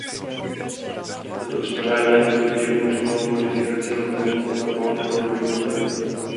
Toto uspořádání později umožnilo modifikaci letounu na pohon proudovým motorem.